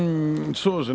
そうですね。